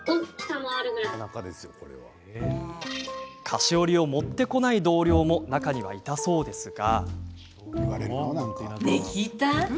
菓子折を持ってこない同僚も中には、いたそうですが。